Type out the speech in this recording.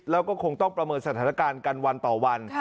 แล้วก็คงต้องประเมินสถานการณ์กันวันต่อวัน